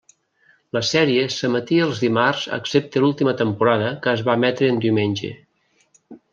La sèrie s'emetia els dimarts excepte l'última temporada que es va emetre en diumenge.